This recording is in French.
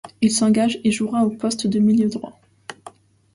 Il s'engage et jouera au poste de milieu droit.